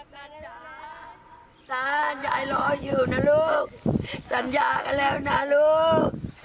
ตายายรออยู่นะลูกสัญญากันแล้วนะลูก